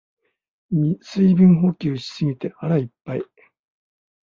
水分補給しすぎて腹いっぱい